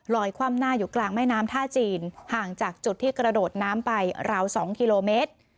คว่ำหน้าอยู่กลางแม่น้ำท่าจีนห่างจากจุดที่กระโดดน้ำไปราว๒กิโลเมตร